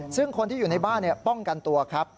ซึ่งคนที่อยู่ในบ้านป้องกันตัวครับ